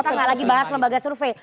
kita nggak lagi bahas lembaga survei